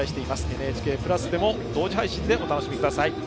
「ＮＨＫプラス」でも同時配信でお楽しみください。